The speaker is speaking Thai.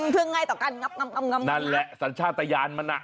เพื่อง่ายต่อการงับนั่นแหละสัญชาติยานมันอ่ะ